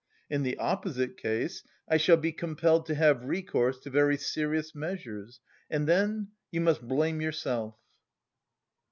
In the opposite case I shall be compelled to have recourse to very serious measures and then... you must blame yourself."